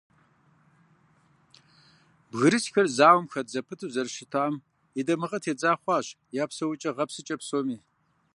Бгырысхэр зауэм хэт зэпыту зэрыщытам и дамыгъэ тедза хъуащ я псэукӀэ-гъэпсыкӀэ псоми.